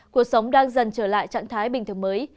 cuộc sống đang dần trở lại trạng thái bình thường mới